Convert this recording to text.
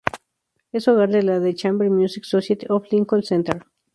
Es hogar de la The Chamber Music Society of Lincoln Center.